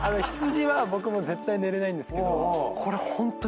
羊は僕も絶対寝れないんですけど。